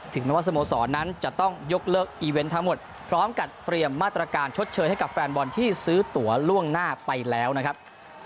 แม้ว่าสโมสรนั้นจะต้องยกเลิกอีเวนต์ทั้งหมดพร้อมกับเตรียมมาตรการชดเชยให้กับแฟนบอลที่ซื้อตัวล่วงหน้าไปแล้วนะครับ